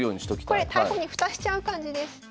これ大砲に蓋しちゃう感じです。